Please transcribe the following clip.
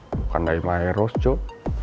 bukan dari myros cok